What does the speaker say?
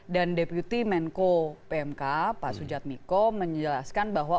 dan deputi menko pmk pak sujad miko menjelaskan bahwa